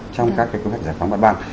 trong các cái cơ hội giải phóng bản bằng